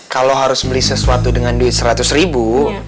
kalau harus beli sesuatu dengan duit seratus ribu